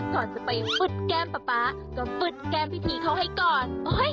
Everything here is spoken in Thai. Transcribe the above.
ก่อนจะไปปืดแก้มปั๊บป๊าก็ปืดแก้มพี่ของกัน